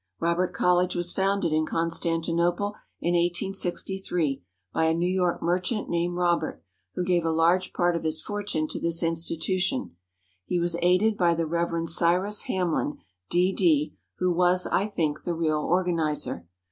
Robert College was founded in Con stantinople in 1863 by a New York merchant named Robert, who gave a large part of his fortune to this institution. He was aided by the Reverend Cyrus Hamlin, D.D., who was, I think, the real organizer.